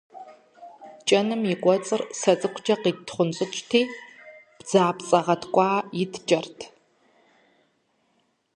КӀэным и кӀуэцӀыр сэ цӀыкӀукӀэ къиттхъунщӀыкӀти, бдзапцӀэ гъэткӀуа иткӀэрт.